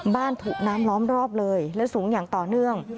บ้านถูกน้ำล้อมรอบเลยเรื่อยสูงอย่างต่อเนื่อง